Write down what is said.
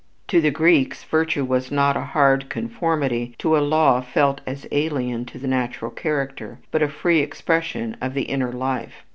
To the Greeks virtue was not a hard conformity to a law felt as alien to the natural character, but a free expression of the inner life.